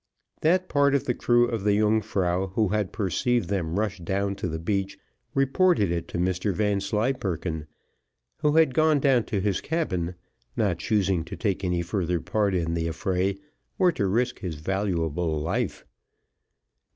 That part of the crew of the Yungfrau who had perceived them rush down to the beach, reported it to Mr Vanslyperken, who had gone down to his cabin, not choosing to take any further part in the affray, or to risk his valuable life.